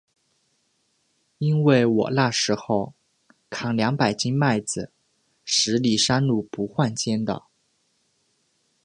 因为我那时候，扛两百斤麦子，十里山路不换肩的。